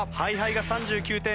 ＨｉＨｉが３９点。